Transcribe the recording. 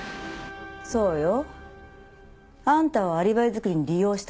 そうよあんたをアリバイづくりに利用したの